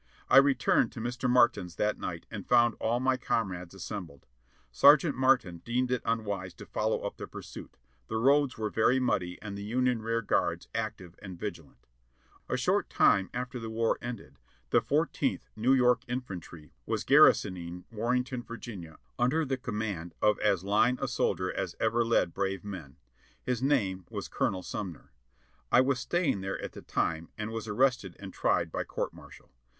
I returned to Mr. Martin's that night and found all my com rades assembled. Sergeant Martin deemed it unwise to follow up the pursuit ; the roads were very muddy and the Union rear guards active anl vigilant. "JOSH" MARTIN OF THE BLACK HORSE, racing pag e his PUl Tii./ A SCOUTING ADVENTURE 679 A short time after the war ended, the Fourteenth New York In fantry was garrisoning Warrenton, Virginia, under the command of as fine a soldier as ever led brave men ; his name was Colonel Sumner. I was staj'ing there at the time, and was arrested and tried by court martial.